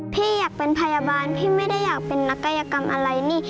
พี่อยากเป็นพยาบาลพี่ไม่ได้อยากเป็นนักกายกรรมอะไรนี่